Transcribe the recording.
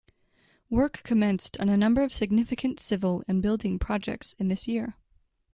Work commenced on a number of significant civil and building projects in this year.